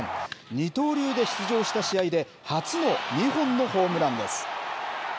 二刀流で出場した試合で、初の２本のホームランです。